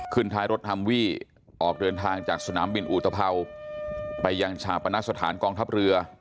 ท้ายรถฮัมวี่ออกเดินทางจากสนามบินอุตภัวไปยังชาปนสถานกองทัพเรือ